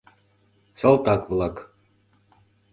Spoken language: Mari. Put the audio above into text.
Салтак-влак.